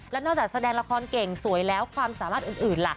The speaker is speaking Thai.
แล้วนอกจากแสดงละครเก่งสวยแล้วความสามารถอื่นล่ะ